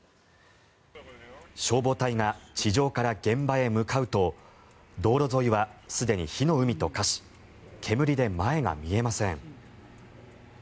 消防隊が地上から現場へ向かうと道路沿いはすでに火の海と化し煙で前が見えません。